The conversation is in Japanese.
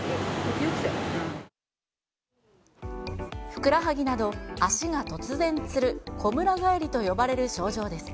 ふくらはぎなど、足が突然つる、こむら返りと呼ばれる症状です。